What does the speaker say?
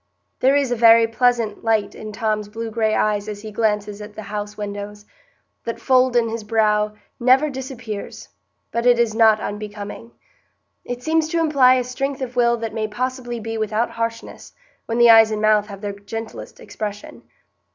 There is a very pleasant light in Tom's blue gray eyes as he glances at the house windows; that fold in his brow never disappears, but it is not unbecoming; it seems to imply a strength of will that may possibly be without harshness, when the eyes and mouth have their gentlest expression.